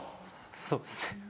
そうですね。